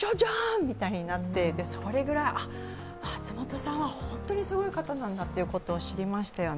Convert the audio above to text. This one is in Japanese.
みたいになって、それぐらい、あ、松本さんは本当にすごい方なんだということを知りましたよね。